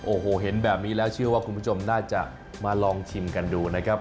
โอ้โหเห็นแบบนี้แล้วเชื่อว่าคุณผู้ชมน่าจะมาลองชิมกันดูนะครับ